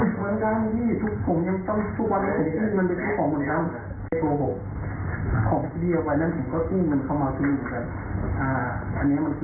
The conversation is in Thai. สวัสดีครับท่านพี่ดีสวัสดีครับพี่ได้กินใหม่โอเคไม่เป็นไรครับ